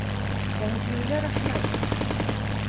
Кәңәшегеҙгә рәхмәт.